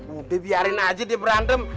udah biarin aja dia berantem